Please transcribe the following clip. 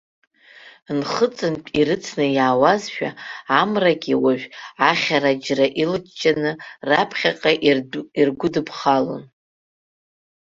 Нхыҵынтә ирыцны иаауазшәа амрагьы уажә ахьара-џьра илҷҷаны раԥхьаҟала иргәыдԥхалон.